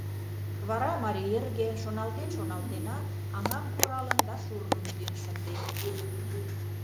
Вара марий эрге, шоналтен-шоналтенат, аҥам куралын да шурным ӱден шынден.